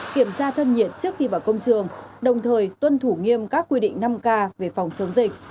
kiểm tra thân nhiệt trước khi vào công trường đồng thời tuân thủ nghiêm các quy định năm k về phòng chống dịch